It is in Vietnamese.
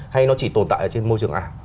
hay nó chỉ tồn tại trên môi trường ả